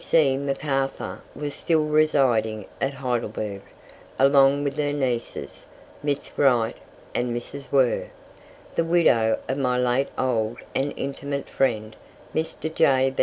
D.C. McArthur was still residing at Heidelberg along with her nieces, Miss Wright and Mrs. Were, the widow of my late old and intimate friend, Mr. J.